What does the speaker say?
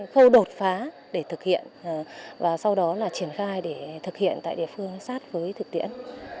khâu đột phá để thực hiện và sau đó là triển khai để thực hiện tại địa phương sát với thực tiễn